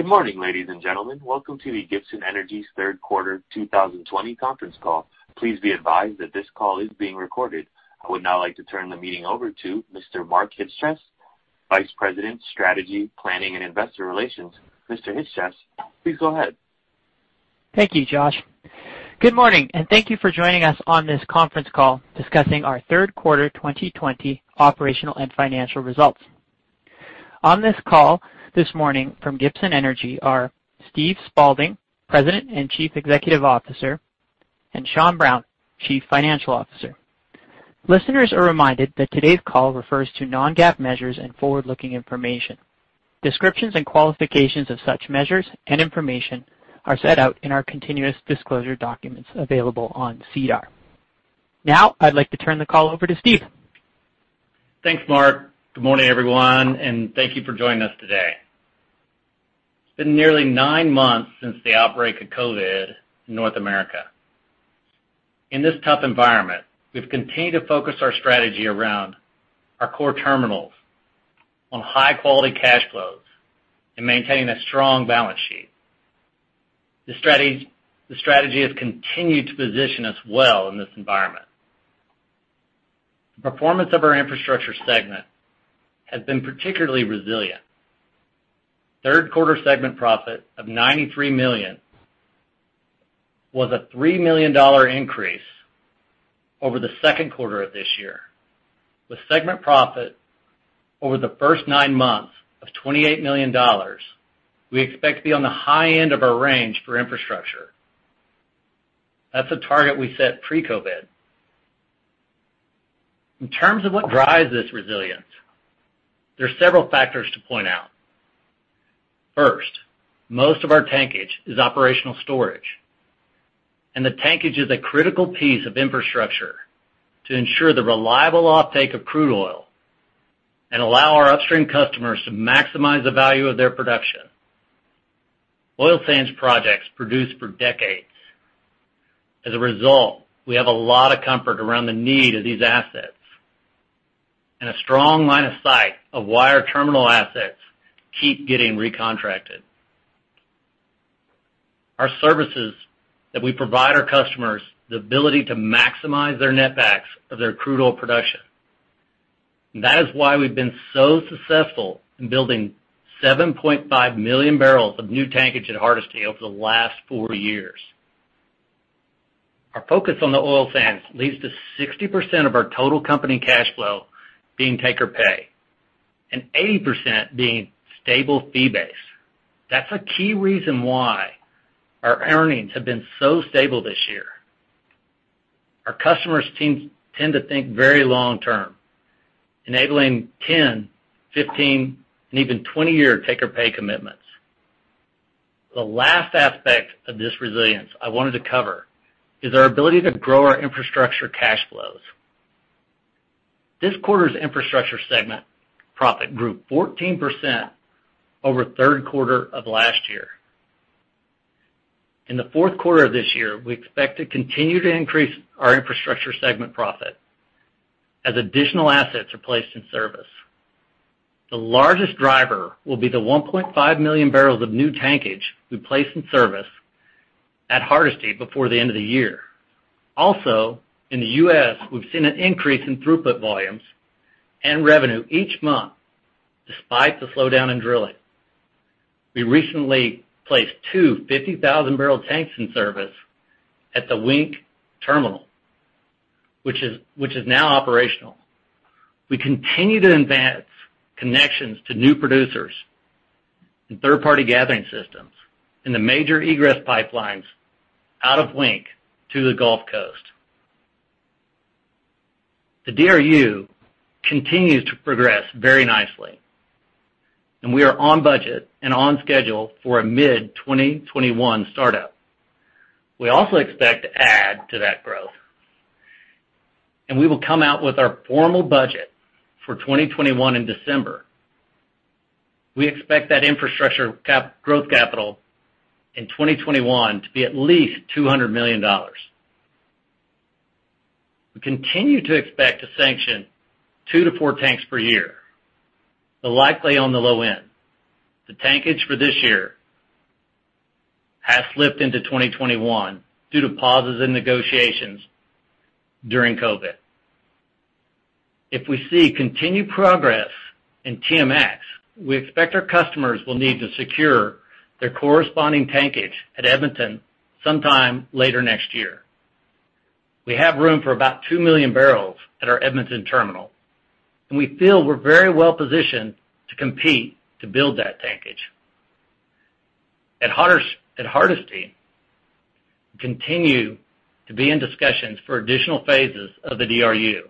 Good morning, ladies and gentlemen. Welcome to Gibson Energy's third quarter 2020 conference call. Please be advised that this call is being recorded. I would now like to turn the meeting over to Mr. Mark Chyc-Cies, Vice President, Strategy, Planning and Investor Relations. Mr. Chyc-Cies, please go ahead. Thank you, Josh. Good morning, and thank you for joining us on this conference call discussing our third quarter 2020 operational and financial results. On this call this morning from Gibson Energy are Steve Spaulding, President and Chief Executive Officer, and Sean Brown, Chief Financial Officer. Listeners are reminded that today's call refers to non-GAAP measures and forward-looking information. Descriptions and qualifications of such measures and information are set out in our continuous disclosure documents available on SEDAR. Now, I'd like to turn the call over to Steve. Thanks, Mark. Good morning, everyone, and thank you for joining us today. It's been nearly nine months since the outbreak of COVID in North America. In this tough environment, we've continued to focus our strategy around our core terminals on high-quality cash flows and maintaining a strong balance sheet. The strategy has continued to position us well in this environment. The performance of our infrastructure segment has been particularly resilient. Third quarter segment profit of 93 million was a 3 million dollar increase over the second quarter of this year. With segment profit over the first nine months of 28 million dollars, we expect to be on the high end of our range for infrastructure. That's a target we set pre-COVID. In terms of what drives this resilience, there are several factors to point out. First, most of our tankage is operational storage, and the tankage is a critical piece of infrastructure to ensure the reliable offtake of crude oil and allow our upstream customers to maximize the value of their production. Oil sands projects produce for decades. As a result, we have a lot of comfort around the need of these assets and a strong line of sight of why our terminal assets keep getting recontracted. Our services that we provide our customers the ability to maximize their net backs of their crude oil production. That is why we've been so successful in building 7.5 million barrels of new tankage at Hardisty over the last four years. Our focus on the oil sands leads to 60% of our total company cash flow being take or pay, and 80% being stable fee base. That's a key reason why our earnings have been so stable this year. Our customers tend to think very long term, enabling 10, 15, and even 20-year take or pay commitments. The last aspect of this resilience I wanted to cover is our ability to grow our infrastructure cash flows. This quarter's infrastructure segment profit grew 14% over third quarter of last year. In the fourth quarter of this year, we expect to continue to increase our infrastructure segment profit as additional assets are placed in service. The largest driver will be the 1.5 million barrels of new tankage we place in service at Hardisty before the end of the year. Also, in the U.S., we've seen an increase in throughput volumes and revenue each month despite the slowdown in drilling. We recently placed two 50,000 bbl tanks in service at the Wink terminal, which is now operational. We continue to advance connections to new producers and third-party gathering systems in the major egress pipelines out of Wink to the Gulf Coast. The DRU continues to progress very nicely, and we are on budget and on schedule for a mid 2021 startup. We also expect to add to that growth, and we will come out with our formal budget for 2021 in December. We expect that infrastructure growth capital in 2021 to be at least 200 million dollars. We continue to expect to sanction two to four tanks per year, but likely on the low end. The tankage for this year has slipped into 2021 due to pauses in negotiations during COVID. If we see continued progress in TMX, we expect our customers will need to secure their corresponding tankage at Edmonton sometime later next year. We have room for about 2 million barrels at our Edmonton terminal, and we feel we're very well positioned to compete to build that tankage. At Hardisty, we continue to be in discussions for additional phases of the DRU.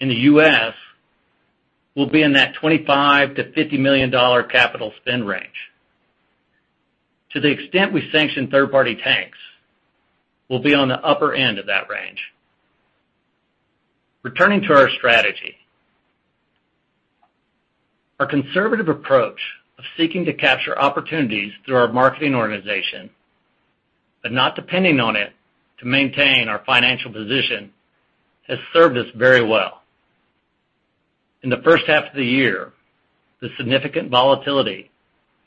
In the U.S., we'll be in that 25 million-50 million dollar capital spend range. To the extent we sanction third-party tanks, we'll be on the upper end of that range. Returning to our strategy. Our conservative approach of seeking to capture opportunities through our marketing organization, but not depending on it to maintain our financial position, has served us very well. In the first half of the year, the significant volatility,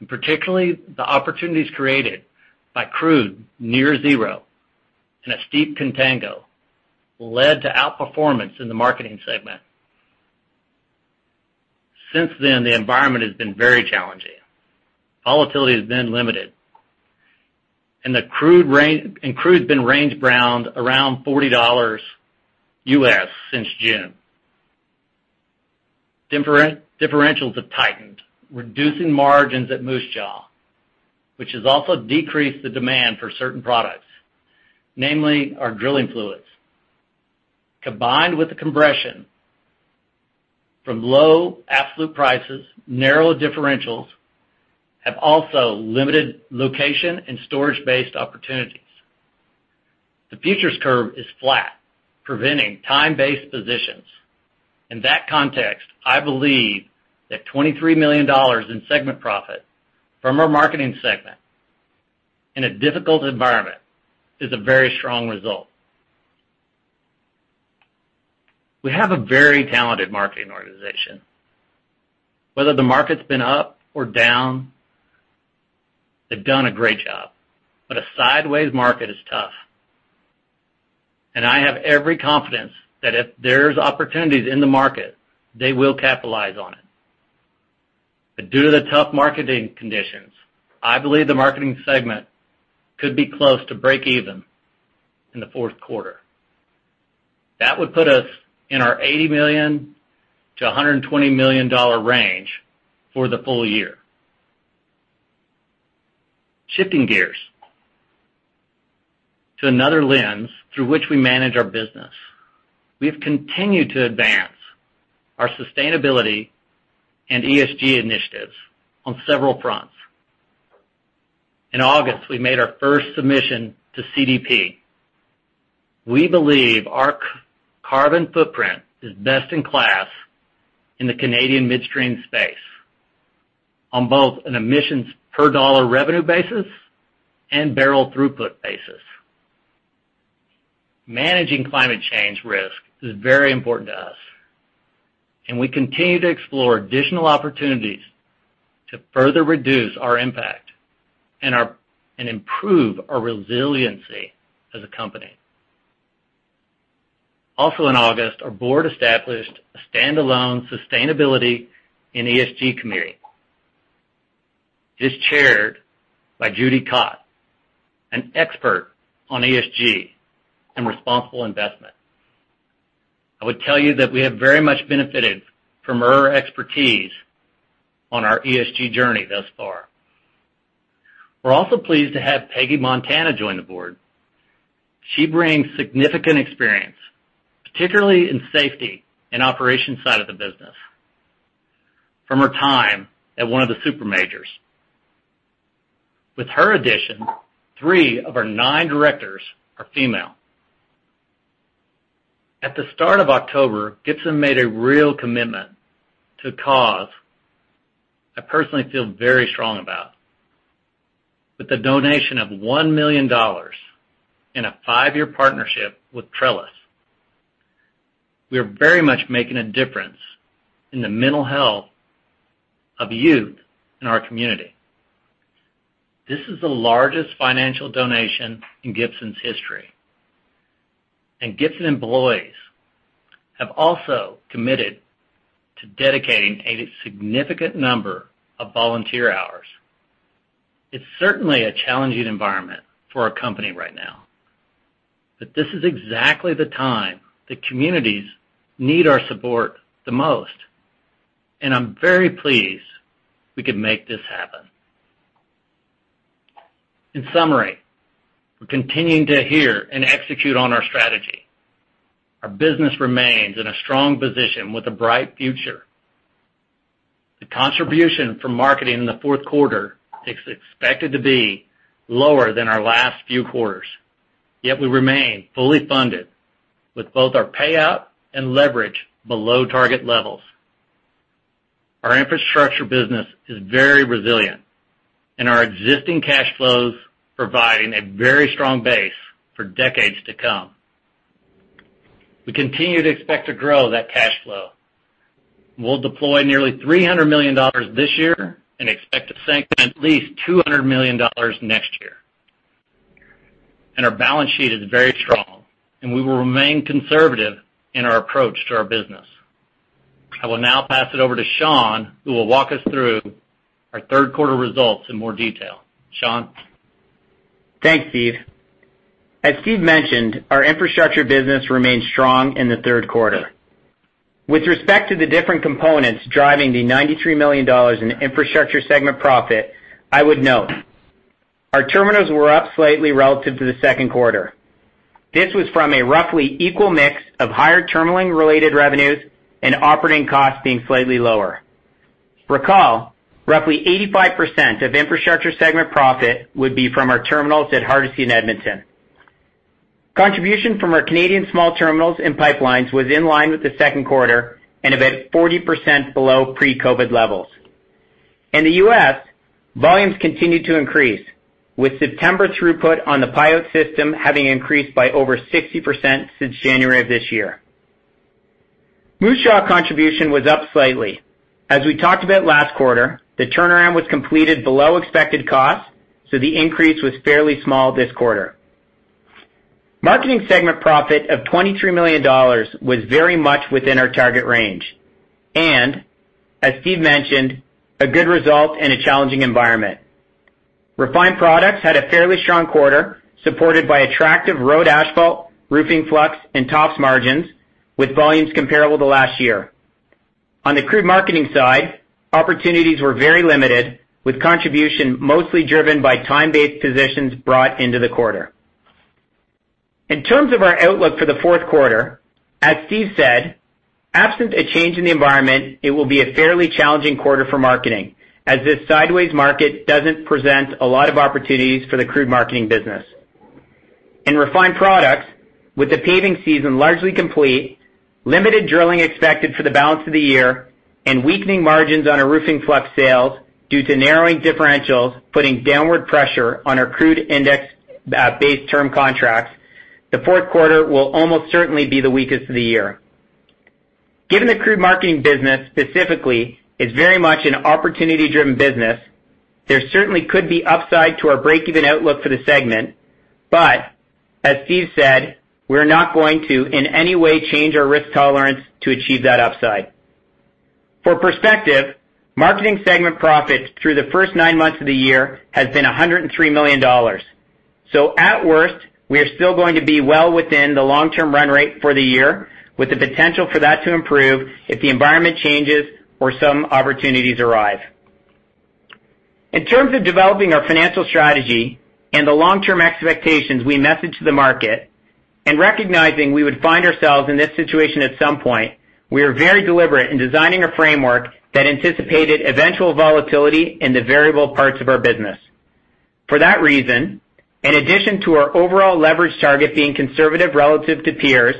and particularly the opportunities created by crude near zero and a steep contango, led to outperformance in the marketing segment. Since then, the environment has been very challenging. Volatility has been limited, crude's been range around $40 since June. Differentials have tightened, reducing margins at Moose Jaw, which has also decreased the demand for certain products, namely our drilling fluids. Combined with the compression from low absolute prices, narrow differentials have also limited location and storage-based opportunities. The futures curve is flat, preventing time-based positions. In that context, I believe that 23 million dollars in segment profit from our marketing segment in a difficult environment is a very strong result. We have a very talented marketing organization. Whether the market's been up or down, they've done a great job. A sideways market is tough. I have every confidence that if there's opportunities in the market, they will capitalize on it. Due to the tough marketing conditions, I believe the marketing segment could be close to breakeven in the fourth quarter. That would put us in our 80 million-120 million dollar range for the full year. Shifting gears to another lens through which we manage our business. We've continued to advance our sustainability and ESG initiatives on several fronts. In August, we made our first submission to CDP. We believe our carbon footprint is best in class in the Canadian midstream space on both an emissions per dollar revenue basis and barrel throughput basis. Managing climate change risk is very important to us, and we continue to explore additional opportunities to further reduce our impact and improve our resiliency as a company. Also, in August, our board established a standalone sustainability and ESG committee. It is chaired by Judy Cotte, an expert on ESG and responsible investment. I would tell you that we have very much benefited from her expertise on our ESG journey thus far. We're also pleased to have Peggy Montana join the board. She brings significant experience, particularly in safety and operations side of the business from her time at one of the super majors. With her addition, three of our nine directors are female. At the start of October, Gibson made a real commitment to a cause I personally feel very strong about. With a donation of 1 million dollars in a five-year partnership with Trellis, we are very much making a difference in the mental health of youth in our community. This is the largest financial donation in Gibson's history, and Gibson employees have also committed to dedicating a significant number of volunteer hours. It's certainly a challenging environment for our company right now. This is exactly the time that communities need our support the most, and I'm very pleased we could make this happen. In summary, we're continuing to hear and execute on our strategy. Our business remains in a strong position with a bright future. The contribution from marketing in the fourth quarter is expected to be lower than our last few quarters, yet we remain fully funded with both our payout and leverage below target levels. Our infrastructure business is very resilient, and our existing cash flows providing a very strong base for decades to come. We continue to expect to grow that cash flow. We'll deploy nearly 300 million dollars this year and expect to sanction at least 200 million dollars next year. Our balance sheet is very strong, and we will remain conservative in our approach to our business. I will now pass it over to Sean, who will walk us through our third quarter results in more detail. Sean? Thanks, Steve. As Steve mentioned, our infrastructure business remained strong in the third quarter. With respect to the different components driving the 93 million dollars in infrastructure segment profit, I would note our terminals were up slightly relative to the second quarter. This was from a roughly equal mix of higher terminalling-related revenues and operating costs being slightly lower. Recall, roughly 85% of infrastructure segment profit would be from our terminals at Hardisty and Edmonton. Contribution from our Canadian small terminals and pipelines was in line with the second quarter and about 40% below pre-COVID levels. In the U.S., volumes continued to increase, with September throughput on the Pyote system having increased by over 60% since January of this year. Moose Jaw contribution was up slightly. As we talked about last quarter, the turnaround was completed below expected cost, so the increase was fairly small this quarter. Marketing segment profit of 23 million dollars was very much within our target range, as Steve mentioned, a good result in a challenging environment. Refined products had a fairly strong quarter, supported by attractive road asphalt, roofing flux, and tops margins, with volumes comparable to last year. On the Crude Marketing side, opportunities were very limited, with contribution mostly driven by time-based positions brought into the quarter. In terms of our outlook for the fourth quarter, as Steve said, absent a change in the environment, it will be a fairly challenging quarter for Marketing, as this sideways market doesn't present a lot of opportunities for the Crude Marketing business. In refined products, with the paving season largely complete, limited drilling expected for the balance of the year, and weakening margins on our roofing flux sales due to narrowing differentials putting downward pressure on our crude index base term contracts, the fourth quarter will almost certainly be the weakest of the year. Given the crude marketing business specifically is very much an opportunity-driven business, there certainly could be upside to our break-even outlook for the segment. As Steve said, we're not going to in any way change our risk tolerance to achieve that upside. For perspective, marketing segment profit through the first nine months of the year has been 103 million dollars. At worst, we are still going to be well within the long-term run rate for the year, with the potential for that to improve if the environment changes or some opportunities arrive. In terms of developing our financial strategy and the long-term expectations we message to the market, and recognizing we would find ourselves in this situation at some point, we are very deliberate in designing a framework that anticipated eventual volatility in the variable parts of our business. For that reason, in addition to our overall leverage target being conservative relative to peers,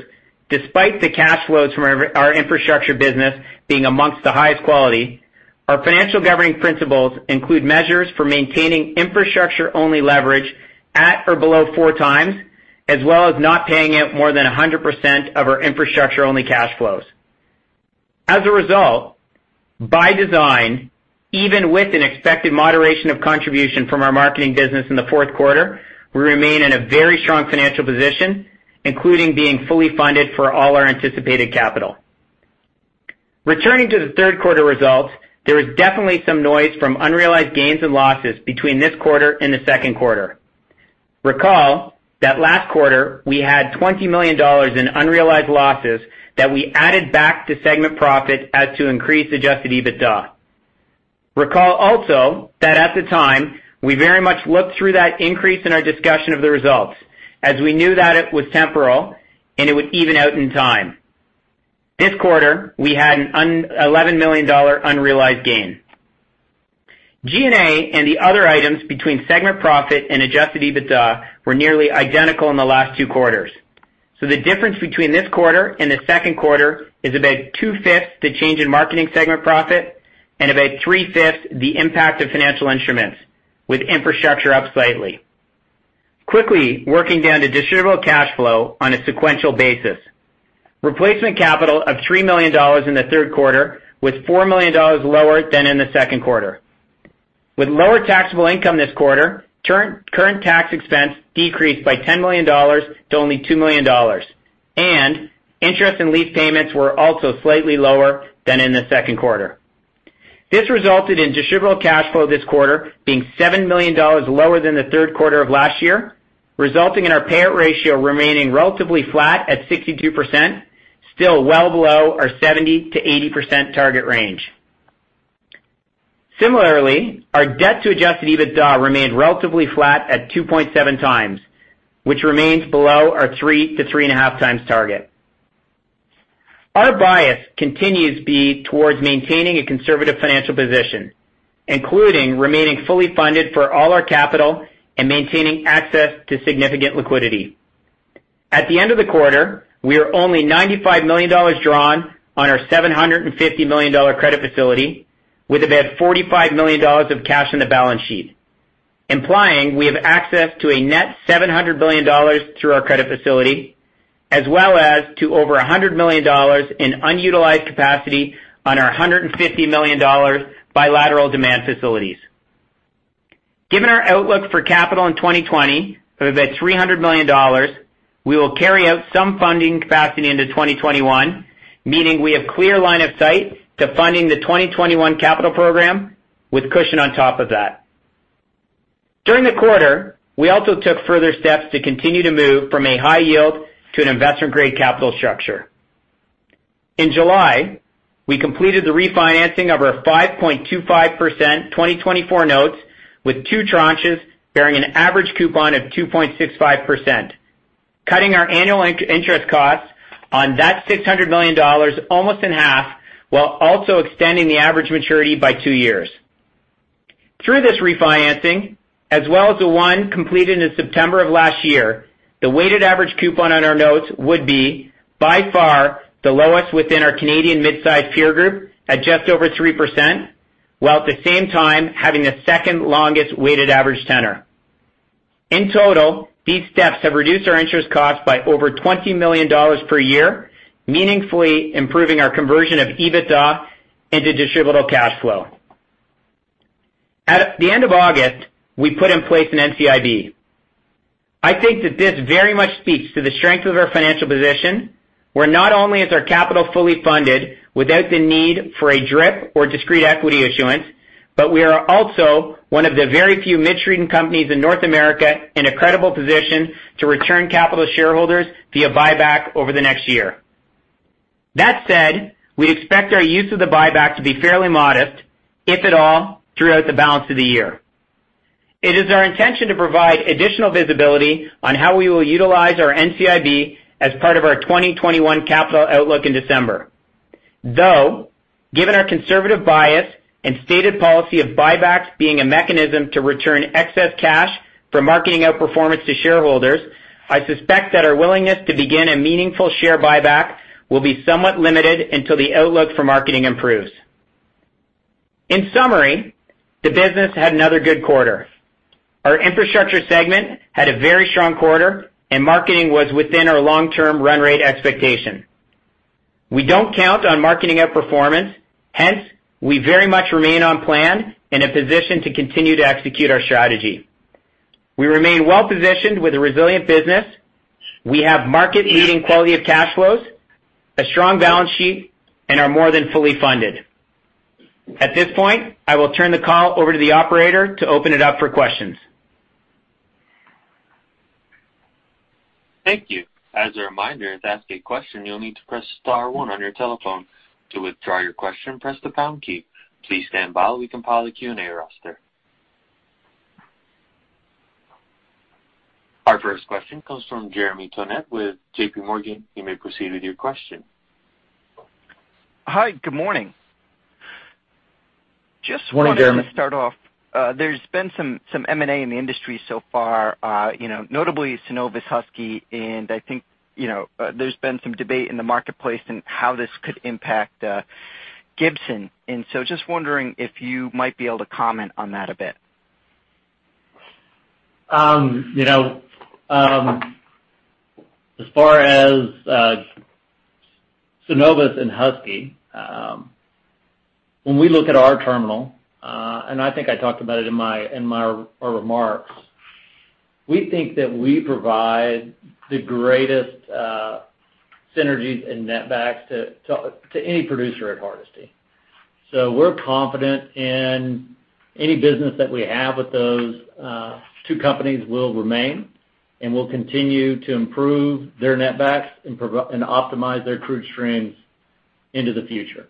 despite the cash flows from our infrastructure business being amongst the highest quality, our financial governing principles include measures for maintaining infrastructure-only leverage at or below 4x, as well as not paying out more than 100% of our infrastructure-only cash flows. As a result, by design, even with an expected moderation of contribution from our marketing business in the fourth quarter, we remain in a very strong financial position, including being fully funded for all our anticipated capital. Returning to the third quarter results, there is definitely some noise from unrealized gains and losses between this quarter and the second quarter. Recall that last quarter, we had 20 million dollars in unrealized losses that we added back to segment profit as to increase adjusted EBITDA. Recall also that at the time, we very much looked through that increase in our discussion of the results, as we knew that it was temporal and it would even out in time. This quarter, we had a 11 million dollar unrealized gain. G&A and the other items between segment profit and adjusted EBITDA were nearly identical in the last two quarters. The difference between this quarter and the second quarter is about two-fifths the change in marketing segment profit and about three-fifths the impact of financial instruments, with infrastructure up slightly. Quickly working down to distributable cash flow on a sequential basis. Replacement capital of 3 million dollars in the third quarter was 4 million dollars lower than in the second quarter. With lower taxable income this quarter, current tax expense decreased by 10 million dollars to only 2 million dollars, and interest and lease payments were also slightly lower than in the second quarter. This resulted in distributable cash flow this quarter being 7 million dollars lower than the third quarter of last year, resulting in our payout ratio remaining relatively flat at 62%, still well below our 70%-80% target range. Similarly, our debt to adjusted EBITDA remained relatively flat at 2.7x, which remains below our 3x-3.5x target. Our bias continues to be towards maintaining a conservative financial position, including remaining fully funded for all our capital and maintaining access to significant liquidity. At the end of the quarter, we are only 95 million dollars drawn on our 750 million dollar credit facility, with about 45 million dollars of cash on the balance sheet, implying we have access to a net 700 million dollars through our credit facility, as well as to over 100 million dollars in unutilized capacity on our 150 million dollars bilateral demand facilities. Given our outlook for capital in 2020 of about 300 million dollars, we will carry out some funding capacity into 2021, meaning we have clear line of sight to funding the 2021 capital program, with cushion on top of that. During the quarter, we also took further steps to continue to move from a high yield to an investment-grade capital structure. In July, we completed the refinancing of our 5.25% 2024 notes with two tranches bearing an average coupon of 2.65%, cutting our annual interest costs on that 600 million dollars almost in half, while also extending the average maturity by two years. Through this refinancing, as well as the one completed in September of last year, the weighted average coupon on our notes would be by far the lowest within our Canadian mid-size peer group at just over 3%. At the same time having the second longest weighted average tenor. In total, these steps have reduced our interest cost by over 20 million dollars per year, meaningfully improving our conversion of EBITDA into distributable cash flow. At the end of August, we put in place an NCIB. I think that this very much speaks to the strength of our financial position, where not only is our capital fully funded without the need for a DRIP or discrete equity issuance, but we are also one of the very few midstream companies in North America in a credible position to return capital to shareholders via buyback over the next year. That said, we expect our use of the buyback to be fairly modest, if at all, throughout the balance of the year. It is our intention to provide additional visibility on how we will utilize our NCIB as part of our 2021 capital outlook in December. Though, given our conservative bias and stated policy of buybacks being a mechanism to return excess cash from marketing outperformance to shareholders, I suspect that our willingness to begin a meaningful share buyback will be somewhat limited until the outlook for marketing improves. In summary, the business had another good quarter. Our infrastructure segment had a very strong quarter, and marketing was within our long-term run rate expectation. We don't count on marketing outperformance; hence, we very much remain on plan, in a position to continue to execute our strategy. We remain well-positioned with a resilient business. We have market-leading quality of cash flows, a strong balance sheet, and are more than fully funded. At this point, I will turn the call over to the operator to open it up for questions. Thank you. As a reminder, to ask a question, you'll need to press star one on your telephone. To withdraw your question, press the pound key. Please stand by while we compile the Q&A roster. Our first question comes from Jeremy Tonet with JPMorgan. You may proceed with your question. Hi. Good morning. Good morning, Jeremy. Just wanted to start off, there's been some M&A in the industry so far, notably Cenovus, Husky. I think there's been some debate in the marketplace in how this could impact Gibson. Just wondering if you might be able to comment on that a bit. As far as Cenovus and Husky, when we look at our terminal, and I think I talked about it in our remarks, we think that we provide the greatest synergies in netbacks to any producer at Hardisty. We're confident in any business that we have with those two companies will remain, and we'll continue to improve their netbacks and optimize their crude streams into the future.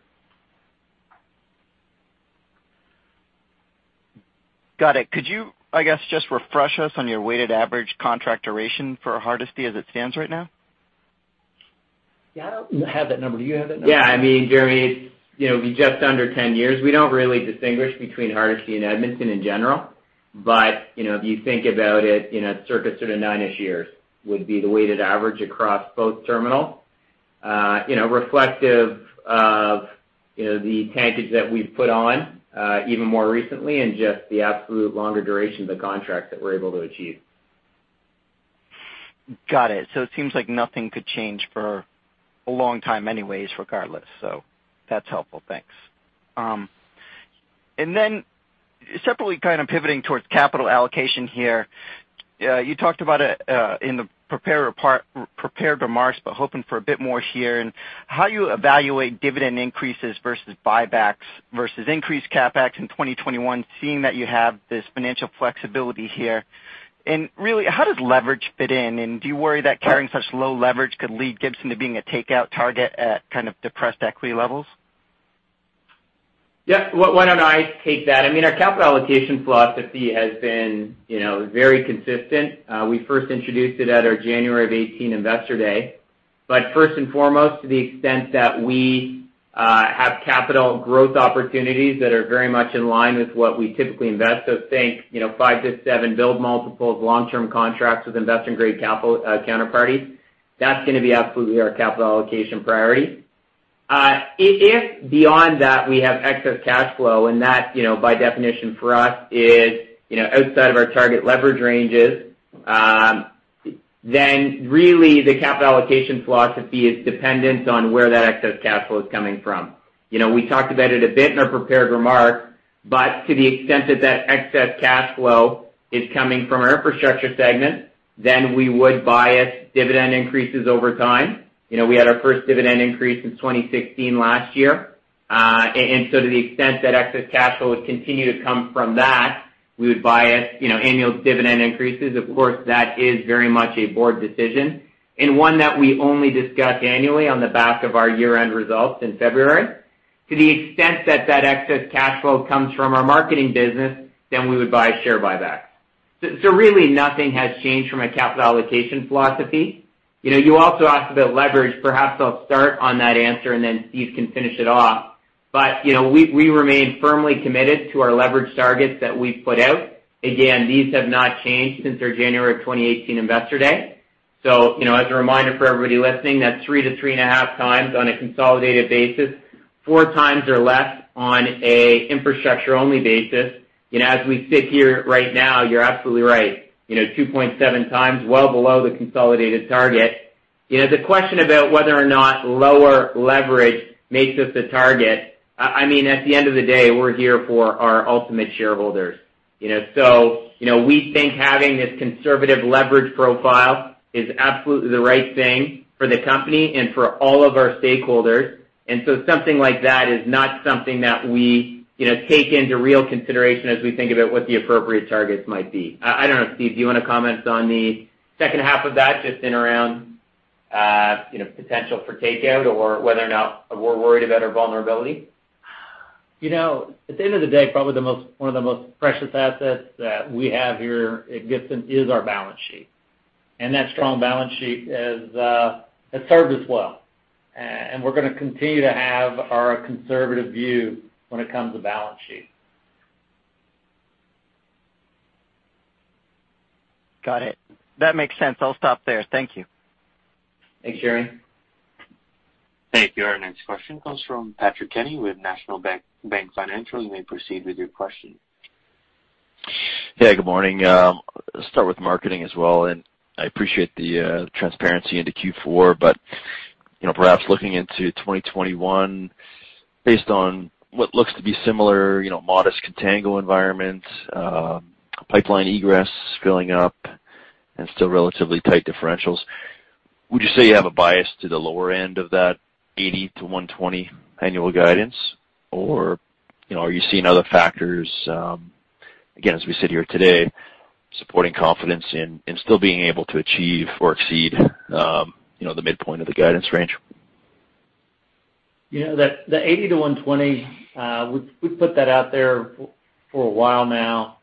Got it. Could you, I guess, just refresh us on your weighted average contract duration for Hardisty as it stands right now? Yeah, I don't have that number. Do you have that number? Yeah. Jeremy, it'd be just under 10 years. We don't really distinguish between Hardisty and Edmonton in general, but if you think about it, circuits sort of nine-ish years would be the weighted average across both terminals. Reflective of the tankage that we've put on even more recently and just the absolute longer duration of the contract that we're able to achieve. Got it. It seems like nothing could change for a long time anyways, regardless. That's helpful. Thanks. Separately, kind of pivoting towards capital allocation here. You talked about it in the prepared remarks, but hoping for a bit more here, and how you evaluate dividend increases versus buybacks versus increased CapEx in 2021, seeing that you have this financial flexibility here. Really, how does leverage fit in? Do you worry that carrying such low leverage could lead Gibson to being a takeout target at kind of depressed equity levels? Yeah. Why don't I take that? Our capital allocation philosophy has been very consistent. We first introduced it at our January of 2018 Investor Day. First and foremost, to the extent that we have capital growth opportunities that are very much in line with what we typically invest. Think 5x-7x build multiples, long-term contracts with investment-grade counterparties. That's going to be absolutely our capital allocation priority. If beyond that, we have excess cash flow, and that, by definition for us is outside of our target leverage ranges, then really the capital allocation philosophy is dependent on where that excess cash flow is coming from. We talked about it a bit in our prepared remarks, to the extent that that excess cash flow is coming from our infrastructure segment, then we would bias dividend increases over time. We had our first dividend increase since 2016 last year. To the extent that excess cash flow would continue to come from that, we would bias annual dividend increases. Of course, that is very much a board decision and one that we only discuss annually on the back of our year-end results in February. To the extent that that excess cash flow comes from our marketing business, then we would bias a share buyback. Really nothing has changed from a capital allocation philosophy. You also asked about leverage. Perhaps I'll start on that answer and then Steve can finish it off. We remain firmly committed to our leverage targets that we've put out. Again, these have not changed since our January 2018 Investor Day. As a reminder for everybody listening, that's three to three and a half times on a consolidated basis, four times or less on a infrastructure-only basis. As we sit here right now, you're absolutely right, 2.7x, well below the consolidated target. The question about whether or not lower leverage makes us the target, at the end of the day, we're here for our ultimate shareholders. We think having this conservative leverage profile is absolutely the right thing for the company and for all of our stakeholders. Something like that is not something that we take into real consideration as we think about what the appropriate targets might be. I don't know, Steve, do you want to comment on the second half of that, just in around potential for takeout or whether or not we're worried about our vulnerability? At the end of the day, probably one of the most precious assets that we have here at Gibson is our balance sheet. That strong balance sheet has served us well. We're going to continue to have our conservative view when it comes to balance sheet. Got it. That makes sense. I'll stop there. Thank you. Thanks, Jeremy. Thank you. Our next question comes from Patrick Kenny with National Bank Financial. You may proceed with your your question. Hey, good morning. I'll start with marketing as well, and I appreciate the transparency into Q4. Perhaps looking into 2021, based on what looks to be similar modest contango environments, pipeline egress filling up and still relatively tight differentials, would you say you have a bias to the lower end of that 80-120 annual guidance? Or are you seeing other factors, again, as we sit here today, supporting confidence in still being able to achieve or exceed the midpoint of the guidance range? The 80 million–CAD120 million, we've put that out there for a while now.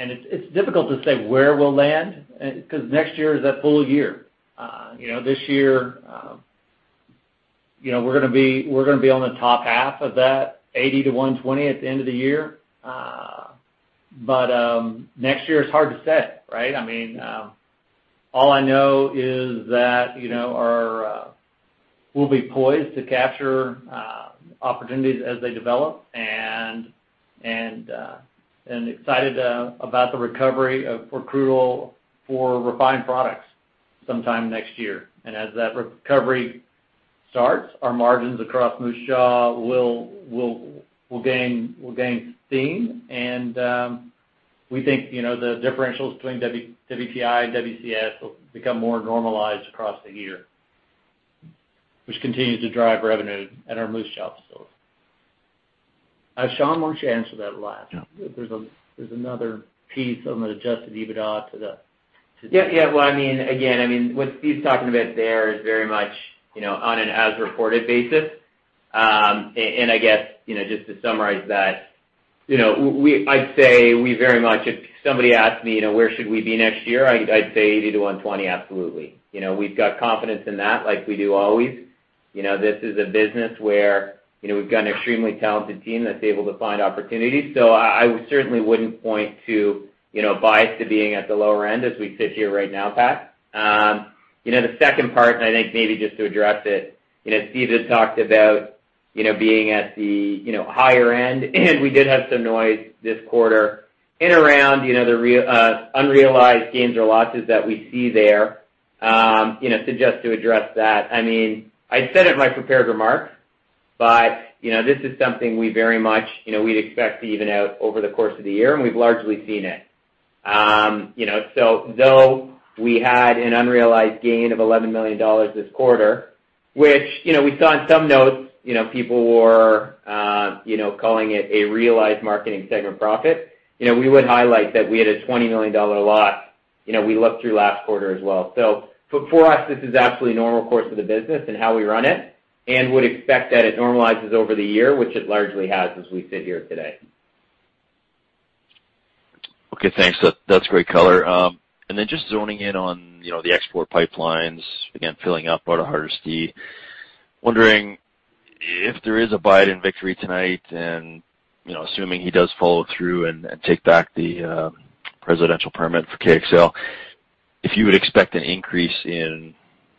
It's difficult to say where we'll land, because next year is a full year. This year, we're going to be on the top half of that 80 million–CAD120 million at the end of the year. Next year is hard to say, right? All I know is that we'll be poised to capture opportunities as they develop, and excited about the recovery for crude oil, for refined products sometime next year. As that recovery starts, our margins across Moose Jaw will gain steam. We think the differentials between WTI and WCS will become more normalized across the year, which continues to drive revenue at our Moose Jaw facility. Sean, why don't you answer that last? There's another piece on the adjusted EBITDA. Yeah. Again, what Steve's talking about there is very much on an as-reported basis. I guess, just to summarize that, I'd say we very much, if somebody asked me where should we be next year, I'd say 80 million–CAD120 million absolutely. We've got confidence in that like we do always. This is a business where we've got an extremely talented team that's able to find opportunities. I certainly wouldn't point to bias to being at the lower end as we sit here right now, Pat. The second part, I think maybe just to address it. Steve had talked about being at the higher end, we did have some noise this quarter in around the unrealized gains or losses that we see there. Just to address that. I said it in my prepared remarks, but this is something we very much, we'd expect to even out over the course of the year, and we've largely seen it. Though we had an unrealized gain of 11 million dollars this quarter, which we saw in some notes, people were calling it a realized marketing segment profit. We would highlight that we had a 20 million dollar loss we looked through last quarter as well. For us, this is absolutely normal course of the business and how we run it and would expect that it normalizes over the year, which it largely has as we sit here today. Okay, thanks. That's great color. Then just zoning in on the export pipelines, again, filling up out of Hardisty. Wondering if there is a Biden victory tonight and assuming he does follow through and take back the presidential permit for KXL, if you would expect an increase in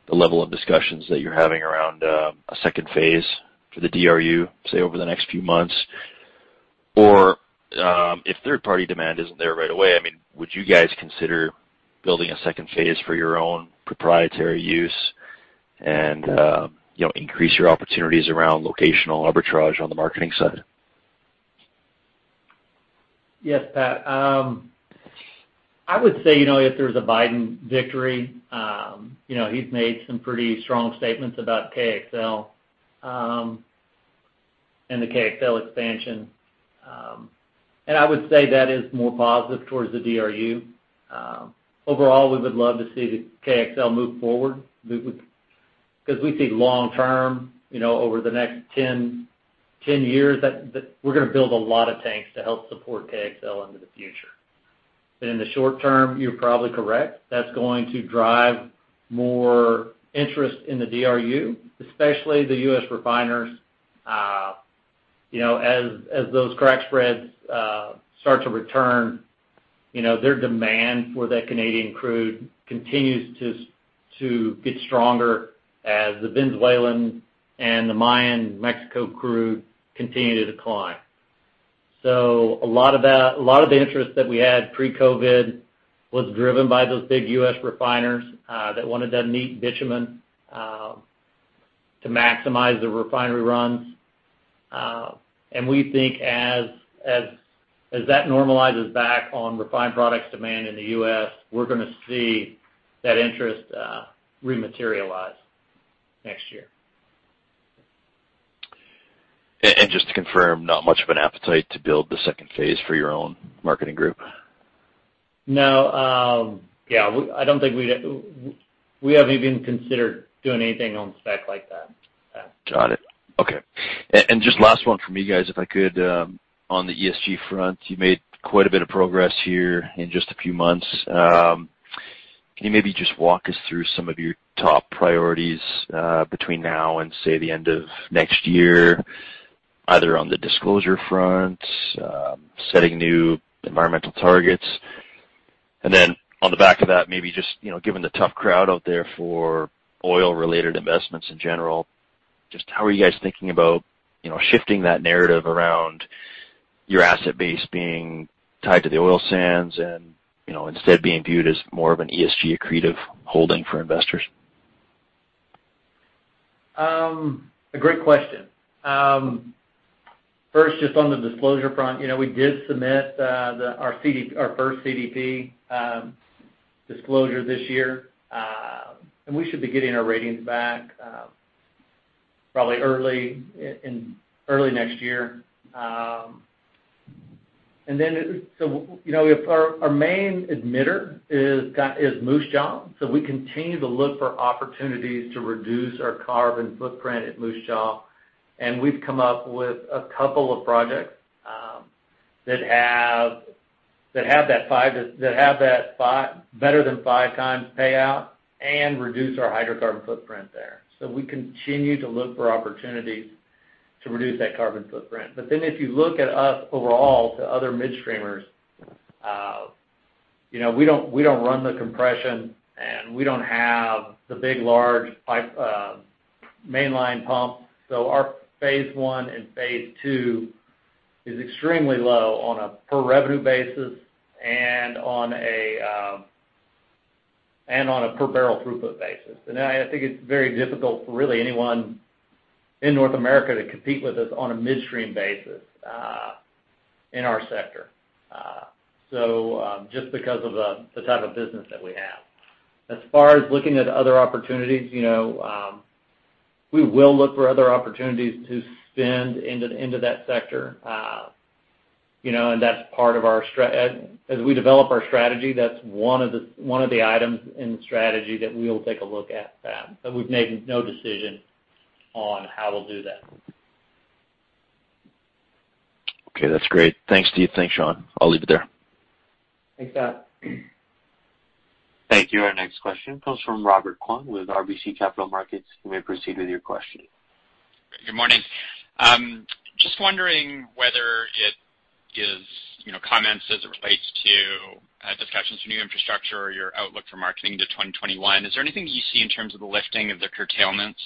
the level of discussions that you're having around a second phase for the DRU, say over the next few months. If third-party demand isn't there right away, would you guys consider building a second phase for your own proprietary use and increase your opportunities around locational arbitrage on the marketing side? Yes, Pat. I would say, if there's a Biden victory, he's made some pretty strong statements about KXL and the KXL expansion. I would say that is more positive towards the DRU. Overall, we would love to see the KXL move forward. Because we think long term, over the next 10 years, that we're going to build a lot of tanks to help support KXL into the future. In the short term, you're probably correct. That's going to drive more interest in the DRU, especially the U.S. refiners. As those crack spreads start to return, their demand for that Canadian crude continues to get stronger as the Venezuelan and the Maya Mexico crude continue to decline. A lot of the interest that we had pre-COVID was driven by those big U.S. refiners that wanted that neat bitumen to maximize the refinery runs. We think as that normalizes back on refined products demand in the U.S., we're going to see that interest rematerialize next year. Just to confirm, not much of an appetite to build the second phase for your own marketing group? No. I don't think we haven't even considered doing anything on spec like that. Yeah. Got it. Okay. Just last one from me, guys, if I could. On the ESG front, you made quite a bit of progress here in just a few months. Can you maybe just walk us through some of your top priorities between now and, say, the end of next year, either on the disclosure front, setting new environmental targets? On the back of that, maybe just given the tough crowd out there for oil-related investments in general, just how are you guys thinking about shifting that narrative around your asset base being tied to the oil sands and instead being viewed as more of an ESG accretive holding for investors? A great question. First, just on the disclosure front, we did submit our first CDP disclosure this year. We should be getting our ratings back probably early next year. Our main emitter is Moose Jaw. We continue to look for opportunities to reduce our carbon footprint at Moose Jaw, and we've come up with a couple of projects that have that better than five times payout and reduce our hydrocarbon footprint there. We continue to look for opportunities to reduce that carbon footprint. If you look at us overall to other midstreamers, we don't run the compression, and we don't have the big, large mainline pumps. Our phase I and phase II is extremely low on a per revenue basis and on a per barrel throughput basis. I think it's very difficult for really anyone in North America to compete with us on a midstream basis in our sector just because of the type of business that we have. As far as looking at other opportunities, we will look for other opportunities to spend into that sector. As we develop our strategy, that's one of the items in the strategy that we will take a look at, but we've made no decision on how we'll do that. Okay. That's great. Thanks, Steve. Thanks, Sean. I'll leave it there. Thanks, Pat. Thank you. Our next question comes from Robert Kwan with RBC Capital Markets. You may proceed with your question. Good morning. Just wondering whether it is comments as it relates to discussions for new infrastructure or your outlook for marketing to 2021, is there anything that you see in terms of the lifting of the curtailments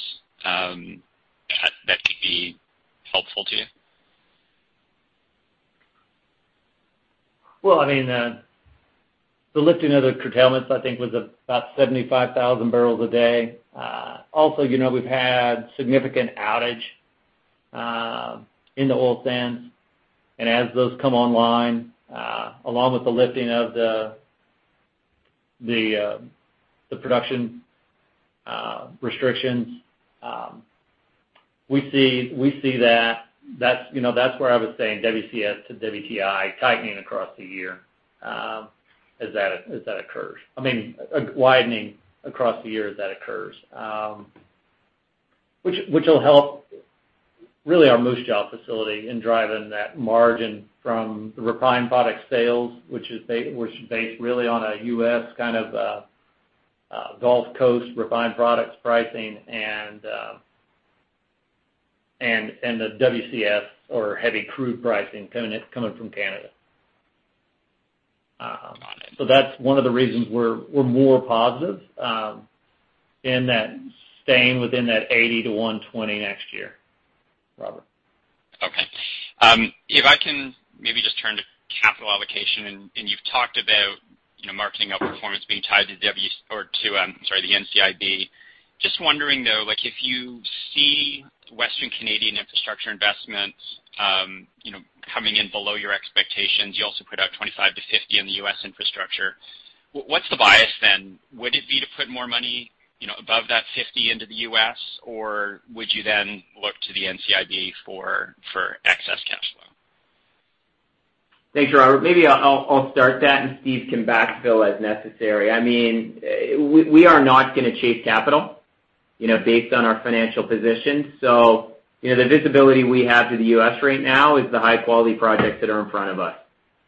that could be helpful to you? Well, the lifting of the curtailments, I think, was about 75,000 bpd. Also, we've had significant outage in the Oil Sands. As those come online, along with the lifting of the production restrictions, That's where I was saying WCS to WTI tightening across the year as that occurs. I mean, widening across the year as that occurs. Which will help really our Moose Jaw facility in driving that margin from the refined product sales, which is based really on a U.S. kind of Gulf Coast refined products pricing and the WCS or heavy crude pricing coming from Canada. Got it. That's one of the reasons we're more positive in staying within that 80 million–CAD120 million next year, Robert. Okay. If I can maybe just turn to capital allocation, you've talked about marketing outperformance being tied to the NCIB. Just wondering, though, if you see Western Canadian infrastructure investments coming in below your expectations, you also put out $25 million-$50 million in the U.S. infrastructure. What's the bias then? Would it be to put more money above that $50 into the U.S., or would you then look to the NCIB for excess capital? Thanks, Robert. Maybe I'll start that, Steve can backfill as necessary. We are not going to chase capital based on our financial position. The visibility we have to the U.S. right now is the high-quality projects that are in front of us.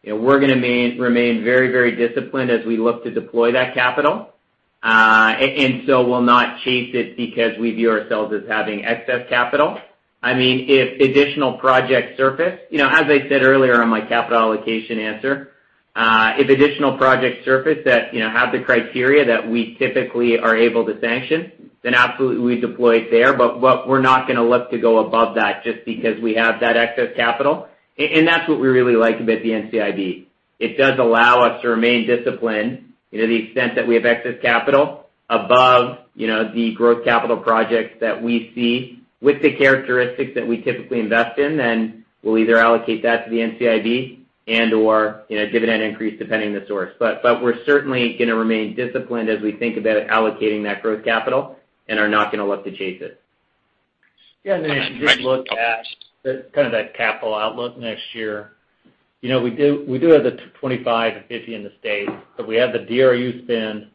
We're going to remain very disciplined as we look to deploy that capital. We'll not chase it because we view ourselves as having excess capital. If additional projects surface, as I said earlier on my capital allocation answer, if additional projects surface that have the criteria that we typically are able to sanction, then absolutely we deploy it there. We're not going to look to go above that just because we have that excess capital. That's what we really like about the NCIB. It does allow us to remain disciplined to the extent that we have excess capital above the growth capital projects that we see with the characteristics that we typically invest in. We'll either allocate that to the NCIB and/or dividend increase, depending on the source. We're certainly going to remain disciplined as we think about allocating that growth capital and are not going to look to chase it. Yeah. If you just look at that capital outlook next year. We do have the $25 million and $50 million in the U.S., but we have the DRU spend,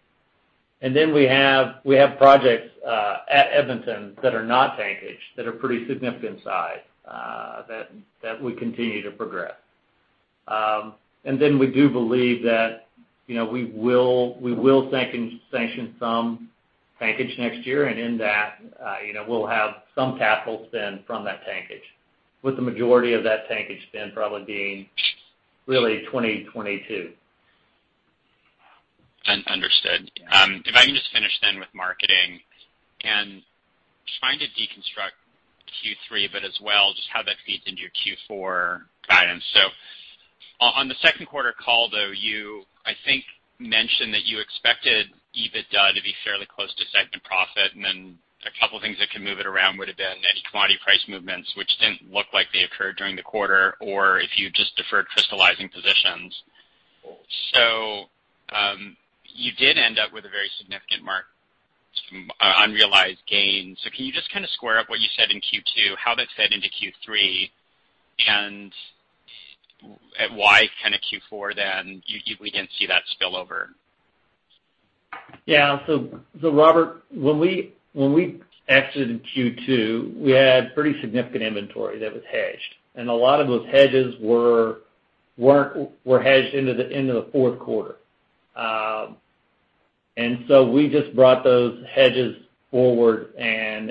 we have projects at Edmonton that are not tankage, that are pretty significant size, that we continue to progress. We do believe that we will sanction some tankage next year. In that, we'll have some capital spend from that tankage, with the majority of that tankage spend probably being really 2022. Understood. If I can just finish then with marketing and trying to deconstruct Q3, but as well, just how that feeds into your Q4 guidance. On the second quarter call, though, you, I think, mentioned that you expected EBITDA to be fairly close to segment profit, and then a couple of things that can move it around would have been any commodity price movements, which didn't look like they occurred during the quarter, or if you just deferred crystallizing positions. You did end up with a very significant unrealized gain. Can you just square up what you said in Q2, how that fed into Q3, and why Q4, then, we didn't see that spill over? Yeah. Robert, when we exited Q2, we had pretty significant inventory that was hedged, and a lot of those hedges were hedged into the fourth quarter. We just brought those hedges forward and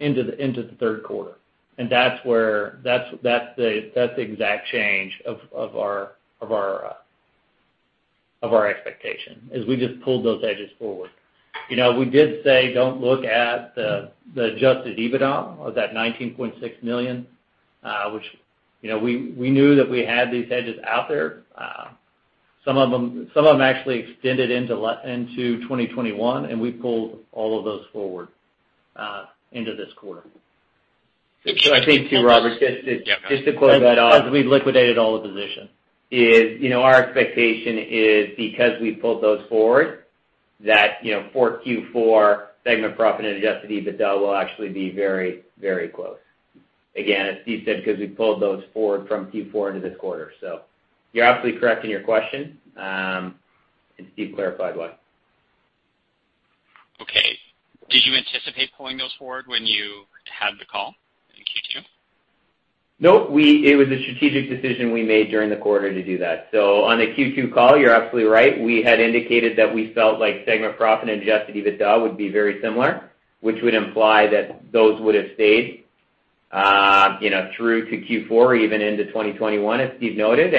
into the third quarter. That's the exact change of our expectation, is we just pulled those hedges forward. We did say, don't look at the adjusted EBITDA of that 19.6 million, which we knew that we had these hedges out there. Some of them actually extended into 2021, we pulled all of those forward into this quarter. I think too, Robert, just to clarify that. As we've liquidated all the positions. Our expectation is because we pulled those forward, that for Q4 segment profit and adjusted EBITDA will actually be very close. Again, as Steve said, because we pulled those forward from Q4 into this quarter. You're absolutely correct in your question, and Steve clarified why. Okay. Did you anticipate pulling those forward when you had the call in Q2? Nope. It was a strategic decision we made during the quarter to do that. On the Q2 call, you're absolutely right. We had indicated that we felt like segment profit and adjusted EBITDA would be very similar, which would imply that those would have stayed through to Q4, even into 2021, as Steve noted.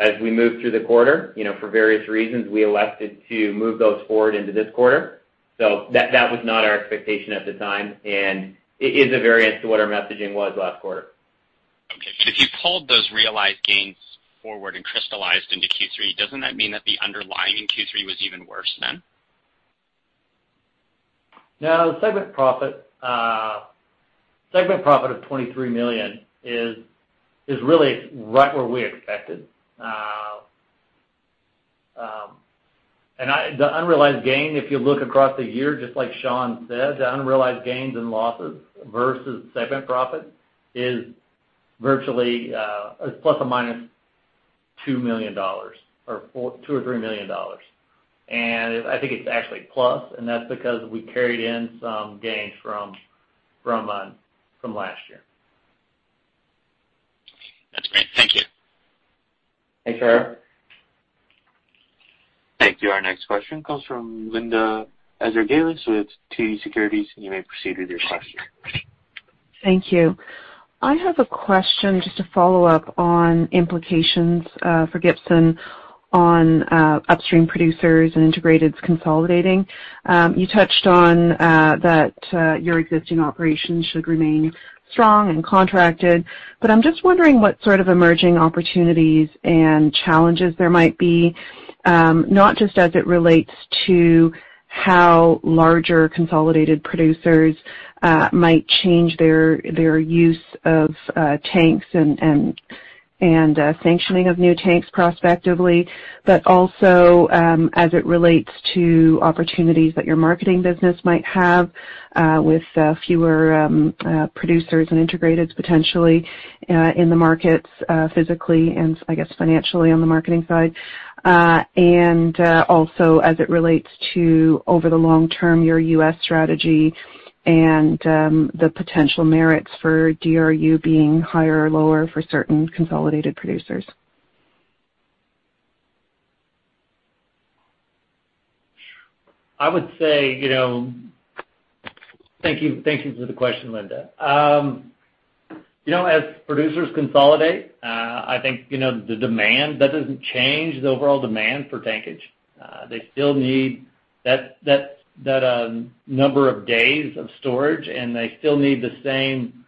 As we moved through the quarter, for various reasons, we elected to move those forward into this quarter. That was not our expectation at the time, and it is a variance to what our messaging was last quarter. If you pulled those realized gains forward and crystallized into Q3, doesn't that mean that the underlying in Q3 was even worse then? No, the segment profit of 23 million is really right where we expected. The unrealized gain, if you look across the year, just like Sean said, the unrealized gains and losses versus segment profit is virtually ±2 million dollars or 2 million or 3 million dollars. I think it's actually plus, and that's because we carried in some gains from last year. That's great. Thank you. Thanks, Robert. Thank you. Our next question comes from Linda Ezergailis with TD Securities. You may proceed with your question. Thank you. I have a question just to follow up on implications for Gibson on upstream producers and integrated consolidating. You touched on that your existing operations should remain strong and contracted, but I'm just wondering what sort of emerging opportunities and challenges there might be, not just as it relates to how larger consolidated producers might change their use of tanks and sanctioning of new tanks prospectively, but also, as it relates to opportunities that your marketing business might have with fewer producers and integrated, potentially, in the markets physically and I guess financially on the marketing side. Also as it relates to, over the long term, your U.S. strategy and the potential merits for DRU being higher or lower for certain consolidated producers. Thank you for the question, Linda. As producers consolidate, I think the demand doesn't change the overall demand for tankage. They still need that number of days of storage, and they still need the same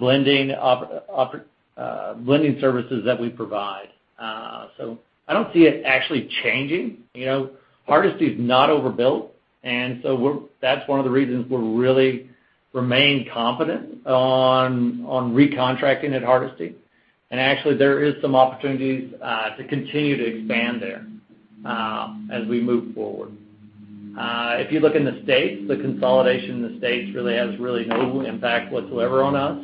blending services that we provide. I don't see it actually changing. Hardisty is not overbuilt, and so that's one of the reasons we're really remain confident on recontracting at Hardisty. Actually there is some opportunities to continue to expand there as we move forward. If you look in the States, the consolidation in the States really has no impact whatsoever on us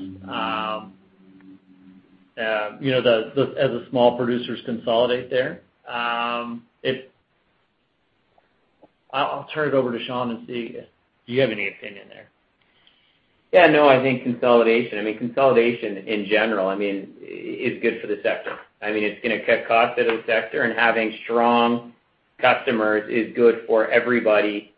as the small producers consolidate there. I'll turn it over to Sean and see if you have any opinion there. No. I think consolidation in general is good for the sector. It's going to cut costs out of the sector, and having strong customers is good for everybody,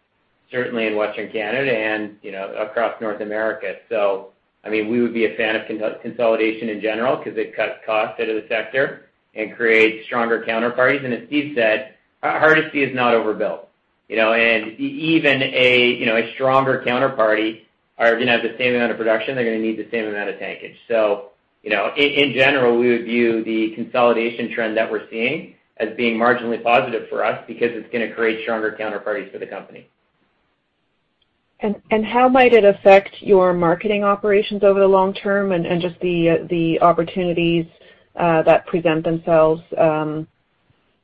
certainly in Western Canada and across North America. So, we would be a fan of consolidation in general because it cuts costs out of the sector and creates stronger counterparties. As Steve said, Hardisty is not overbuilt. Even a stronger counterparty are going to have the same amount of production, they're going to need the same amount of tankage. So, in general, we would view the consolidation trend that we're seeing as being marginally positive for us because it's going to create stronger counterparties for the company. How might it affect your marketing operations over the long term and just the opportunities that present themselves in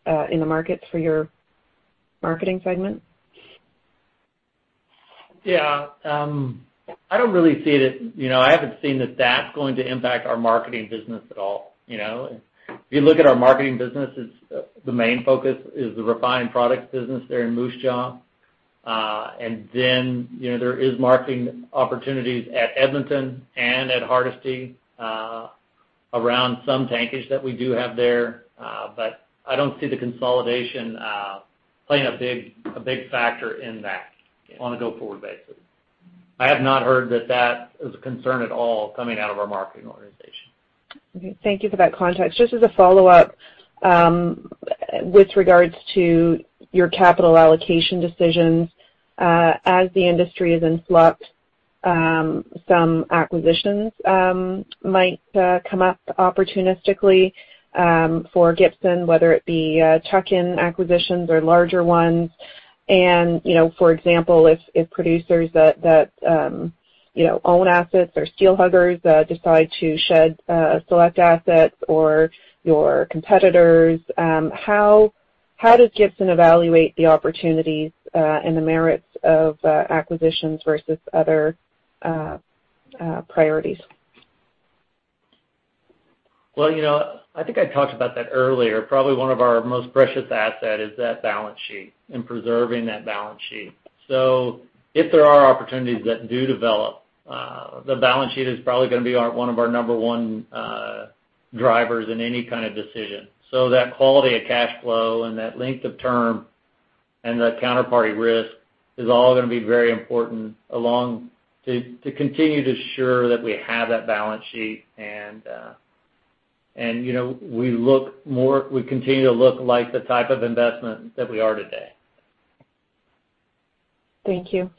the markets for your marketing segment? Yeah. I haven't seen that's going to impact our marketing business at all. If you look at our marketing business, the main focus is the refined products business there in Moose Jaw. There is marketing opportunities at Edmonton and at Hardisty around some tankage that we do have there. I don't see the consolidation playing a big factor in that on a go-forward basis. I have not heard that that is a concern at all coming out of our marketing organization. Okay. Thank you for that context. Just as a follow-up, with regards to your capital allocation decisions, as the industry is in flux, some acquisitions might come up opportunistically for Gibson, whether it be tuck-in acquisitions or larger ones. For example, if producers that own assets or steel huggers decide to shed select assets or your competitors, how does Gibson evaluate the opportunities and the merits of acquisitions versus other priorities? I think I talked about that earlier. Probably one of our most precious asset is that balance sheet and preserving that balance sheet. If there are opportunities that do develop, the balance sheet is probably going to be one of our number one drivers in any kind of decision. That quality of cash flow and that length of term and that counterparty risk is all going to be very important to continue to assure that we have that balance sheet. We continue to look like the type of investment that we are today. Thank you.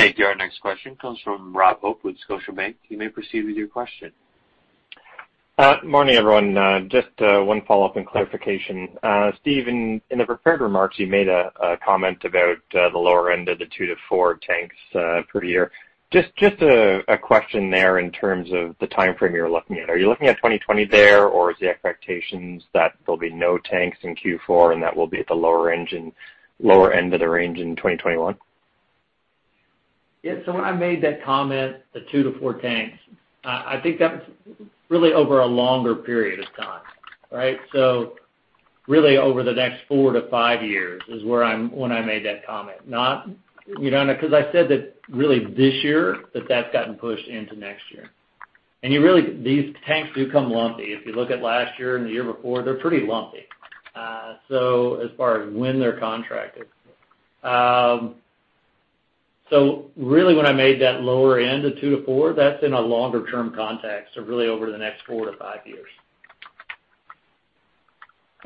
Thank you. Our next question comes from Rob Hope with Scotiabank. You may proceed with your question. Morning, everyone. Just one follow-up and clarification. Steve, in the prepared remarks, you made a comment about the lower end of the two to four tanks per year. Just a question there in terms of the timeframe you're looking at. Are you looking at 2020 there, or is the expectations that there'll be no tanks in Q4, and that will be at the lower end of the range in 2021? Yeah. When I made that comment, the two to four tanks, I think that was really over a longer period of time. Right? Really over the next four to five years is when I made that comment. Because I said that really this year, that's gotten pushed into next year. These tanks do come lumpy. If you look at last year and the year before, they're pretty lumpy as far as when they're contracted. Really when I made that lower end of two to four, that's in a longer-term context. Really over the next four to five years.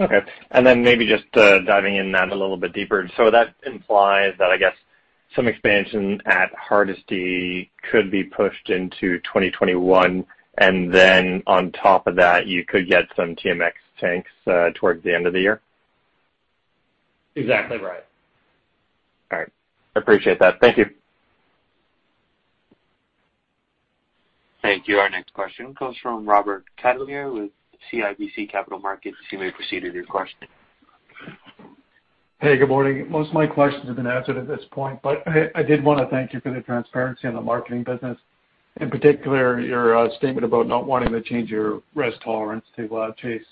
Okay. Maybe just diving in that a little bit deeper. That implies that some expansion at Hardisty could be pushed into 2021, and then on top of that, you could get some TMX tanks towards the end of the year? Exactly right. All right. I appreciate that. Thank you. Thank you. Our next question comes from Robert Catellier with CIBC Capital Markets. You may proceed with your question. Hey, good morning. Most of my questions have been answered at this point. I did want to thank you for the transparency on the marketing business, in particular, your statement about not wanting to change your risk tolerance to chase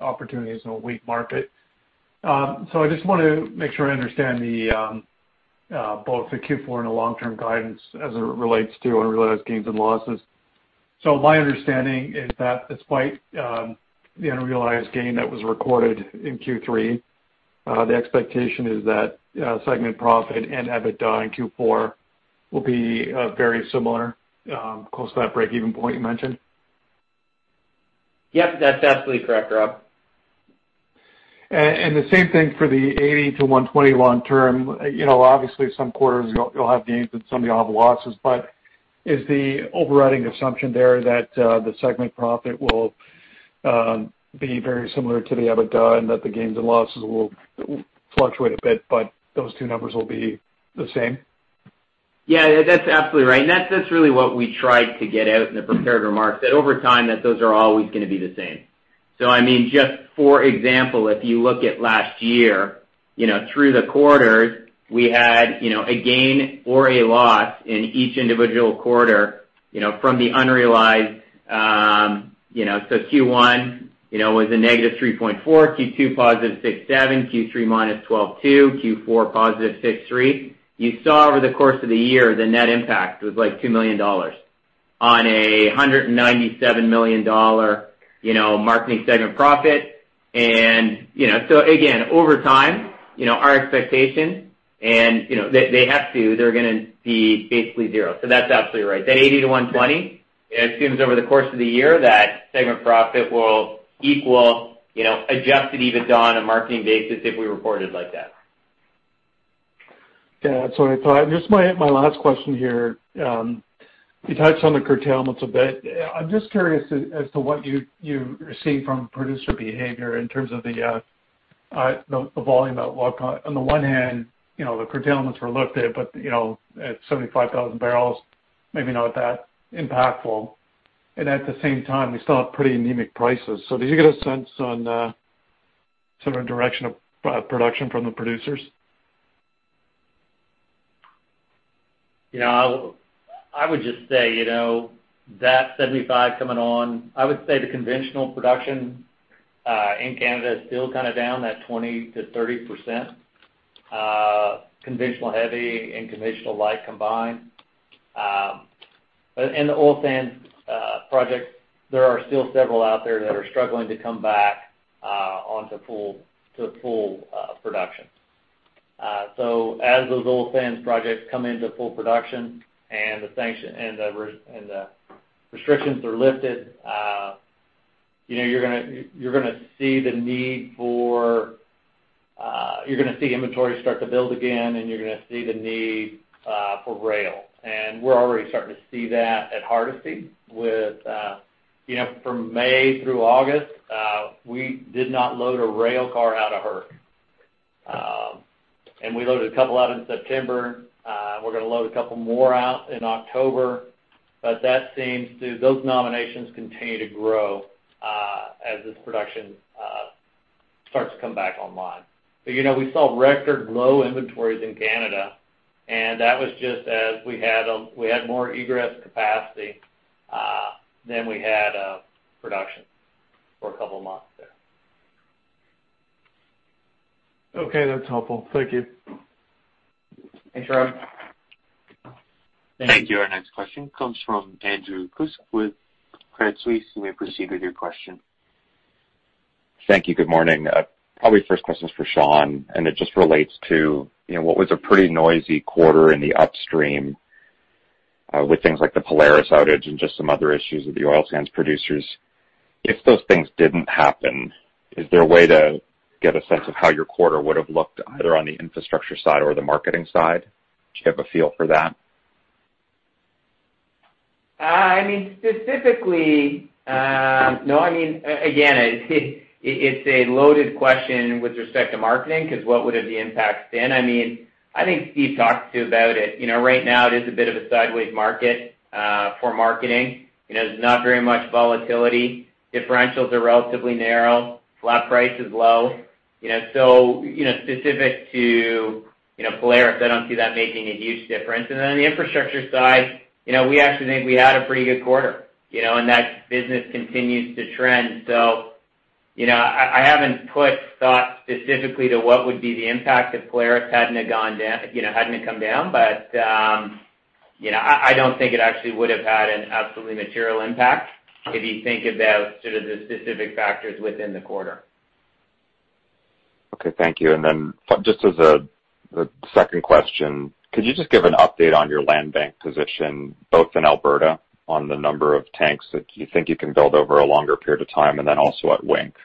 opportunities in a weak market. I just want to make sure I understand both the Q4 and the long-term guidance as it relates to unrealized gains and losses. My understanding is that despite the unrealized gain that was recorded in Q3, the expectation is that segment profit and EBITDA in Q4 will be very similar, close to that breakeven point you mentioned? Yep. That's absolutely correct, Rob. The same thing for the 80 million–CAD120 million long term. Obviously, some quarters you'll have gains and some you'll have losses, but is the overriding assumption there that the segment profit will be very similar to the EBITDA and that the gains and losses will fluctuate a bit, but those two numbers will be the same? Yeah, that's absolutely right. That's really what we tried to get out in the prepared remarks, that over time, those are always going to be the same. I mean, just for example, if you look at last year, through the quarters, we had a gain or a loss in each individual quarter from the unrealized. Q1 was a -3.4, Q2 +6.7, Q3 -12.2, Q4 +6.3. You saw over the course of the year, the net impact was like 2 million dollars on a 197 million dollar marketing segment profit. Again, over time, our expectation, and they have to, they're going to be basically zero. That's absolutely right. That 80 million–CAD120 million, it seems over the course of the year that segment profit will equal adjusted EBITDA on a marketing basis if we reported like that. Yeah, that's what I thought. Just my last question here. You touched on the curtailments a bit. I'm just curious as to what you receive from producer behavior in terms of the volume outlook. On the one hand, the curtailments were looked at, but at 75,000 bbl, maybe not that impactful. At the same time, we still have pretty anemic prices. Did you get a sense on sort of direction of production from the producers? I would just say that 75 coming on, I would say the conventional production in Canada is still kind of down that 20%-30%, conventional heavy and conventional light combined. In the oil sands projects, there are still several out there that are struggling to come back on to full production. As those oil sands projects come into full production and the restrictions are lifted, you're going to see inventory start to build again, and you're going to see the need for rail. We're already starting to see that at Hardisty. From May through August, we did not load a rail car out of Hardisty. We loaded a couple out in September. We're going to load a couple more out in October, but those nominations continue to grow as this production starts to come back online. We saw record low inventories in Canada, and that was just as we had more egress capacity than we had production for a couple of months there. Okay, that's helpful. Thank you. Thanks, Rob. Thank you. Our next question comes from Andrew Kuske with Credit Suisse. You may proceed with your question. Thank you. Good morning. Probably first question's for Sean, and it just relates to what was a pretty noisy quarter in the upstream with things like the Polaris outage and just some other issues with the oil sands producers. If those things didn't happen, is there a way to get a sense of how your quarter would've looked either on the infrastructure side or the marketing side? Do you have a feel for that? Specifically, no. It's a loaded question with respect to marketing, because what would have the impact been? I think Steve talked to about it. Right now it is a bit of a sideways market for marketing. There's not very much volatility. Differentials are relatively narrow. Flat price is low. Specific to Polaris, I don't see that making a huge difference. On the infrastructure side, we actually think we had a pretty good quarter, and that business continues to trend. I haven't put thought specifically to what would be the impact if Polaris hadn't come down. I don't think it actually would've had an absolutely material impact if you think about sort of the specific factors within the quarter. Okay, thank you. Just as a second question, could you just give an update on your land bank position, both in Alberta on the number of tanks that you think you can build over a longer period of time, and then also at Wink?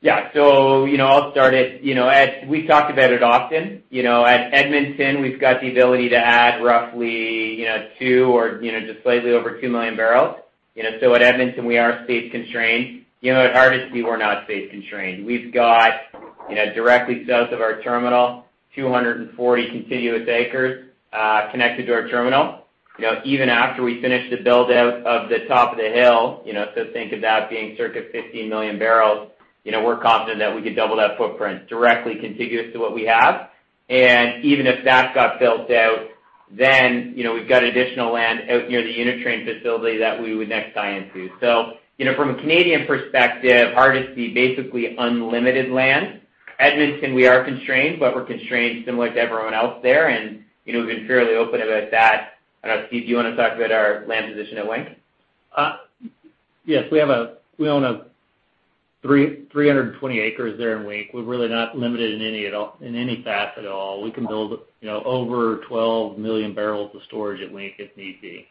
Yeah. I'll start it. We've talked about it often. At Edmonton, we've got the ability to add roughly 2 million barrels or just slightly over 2 million barrels. At Edmonton, we are space constrained. At Hardisty, we're not space constrained. We've got, directly south of our terminal, 240 contiguous acres connected to our terminal. Even after we finish the build-out of the top of the hill, think of that being circa 15 million barrels, we're confident that we could double that footprint directly contiguous to what we have. Even if that got built out, we've got additional land out near the unit train facility that we would next tie into. From a Canadian perspective, Hardisty, basically unlimited land. Edmonton, we are constrained, we're constrained similar to everyone else there, we've been fairly open about that. I don't know, Steve, do you want to talk about our land position at Wink? Yes. We own 320 acres there in Wink. We're really not limited in any facet at all. We can build over 12 million barrels of storage at Wink if need be.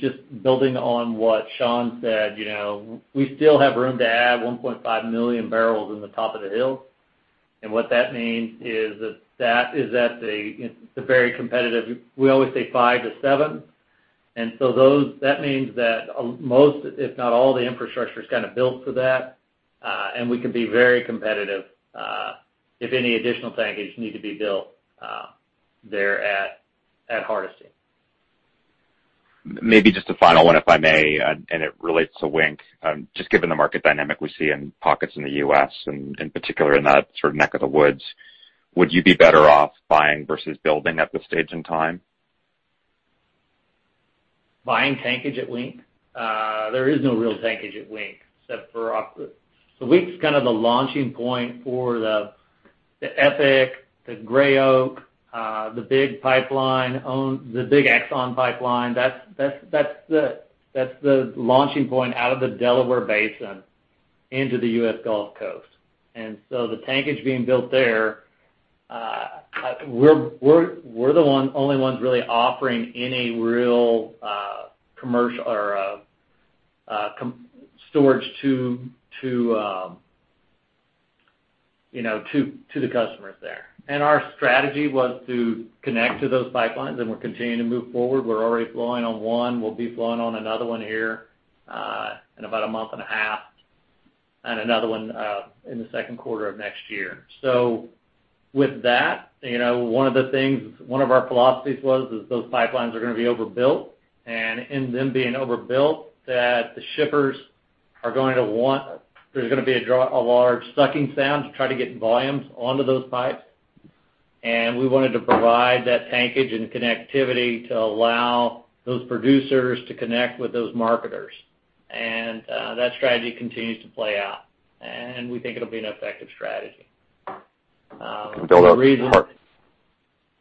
Just building on what Sean said, we still have room to add 1.5 million barrels in the top of the hill. What that means is that the very competitive, we always say five to seven. That means that most, if not all the infrastructure's kind of built for that. We can be very competitive if any additional tankage need to be built there at Hardisty. Maybe just a final one, if I may. It relates to Wink. Just given the market dynamic we see in pockets in the U.S. and in particular in that sort of neck of the woods, would you be better off buying versus building at this stage in time? Buying tankage at Wink? There is no real tankage at Wink, except for Wink's kind of the launching point for the EPIC, the Gray Oak, the big Exxon pipeline. That's the launching point out of the Delaware Basin into the U.S. Gulf Coast. The tankage being built there, we're the only ones really offering any real storage to the customers there. Our strategy was to connect to those pipelines, and we're continuing to move forward. We're already flowing on one. We'll be flowing on another one here in about a month and a half, and another one in the second quarter of next year. With that, one of our philosophies was is those pipelines are going to be overbuilt, and in them being overbuilt, that the shippers are going to want. There's going to be a large sucking sound to try to get volumes onto those pipes. We wanted to provide that tankage and connectivity to allow those producers to connect with those marketers. That strategy continues to play out, and we think it'll be an effective strategy. You can build out Hard.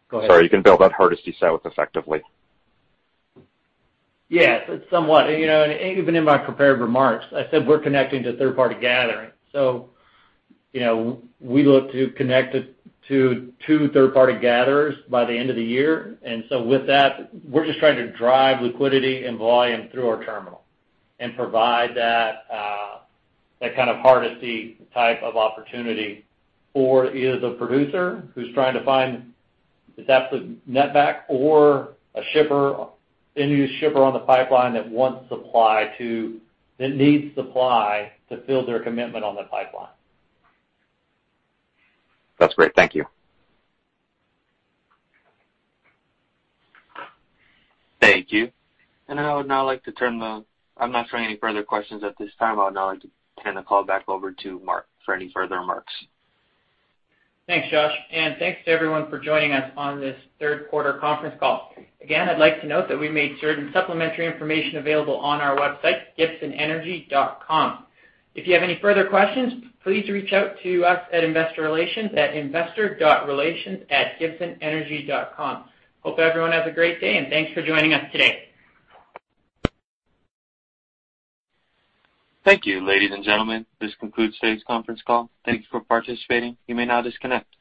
Go ahead. Sorry. You can build out Hardisty South effectively. Yes. It's somewhat. Even in my prepared remarks, I said we're connecting to third-party gathering. We look to connect to two third-party gatherers by the end of the year. With that, we're just trying to drive liquidity and volume through our terminal and provide that kind of Hardisty type of opportunity for either the producer who's trying to find the depth of netback or an end-user shipper on the pipeline that needs supply to fill their commitment on that pipeline. That's great. Thank you. Thank you. I'm not showing any further questions at this time. I would now like to turn the call back over to Mark for any further remarks. Thanks, Josh, and thanks to everyone for joining us on this third quarter conference call. Again, I'd like to note that we made certain supplementary information available on our website, gibsonenergy.com. If you have any further questions, please reach out to us at investor relations at investor.relations@gibsonenergy.com. Hope everyone has a great day, and thanks for joining us today. Thank you, ladies and gentlemen. This concludes today's conference call. Thanks for participating. You may now disconnect.